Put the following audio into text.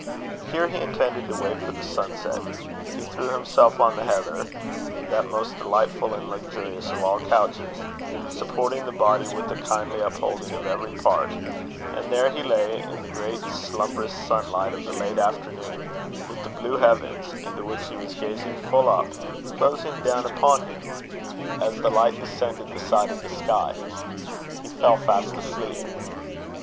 Here he intended to wait for the sunset. He threw himself on the heather, that most delightful and luxurious of all couches, supporting the body with a kindly upholding of every part; and there he lay in the great slumberous sunlight of the late afternoon, with the blue heavens, into which he was gazing full up, closing down upon him, as the light descended the side of the sky. He fell fast asleep.